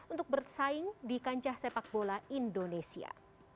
untuk bersaing di kancah sepak bola indonesia